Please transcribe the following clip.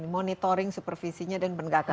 monitoring supervisinya dan penegakan